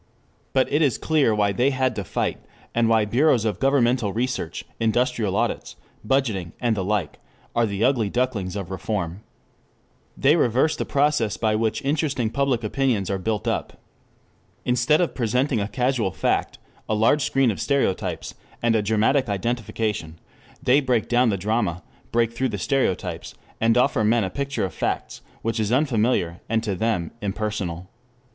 But it is clear why they had to fight, and why bureaus of governmental research, industrial audits, budgeting and the like are the ugly ducklings of reform. They reverse the process by which interesting public opinions are built up. Instead of presenting a casual fact, a large screen of stereotypes, and a dramatic identification, they break down the drama, break through the stereotypes, and offer men a picture of facts, which is unfamiliar and to them impersonal.